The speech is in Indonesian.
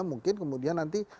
mungkin kemudian nanti